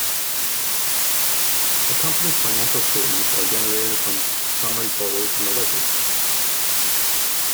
A company's financial statements are generated from summary totals in the ledgers.